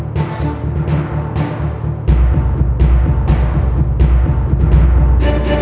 เพลง